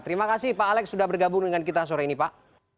terima kasih pak alex sudah bergabung dengan kita sore ini pak